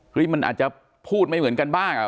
มันอาจจะพูดไม่เหมือนกันบ้างอ่ะ